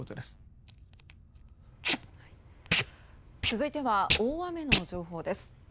続いては大雨の情報です。